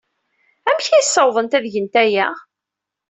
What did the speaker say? Amek ay ssawḍent ad gent aya?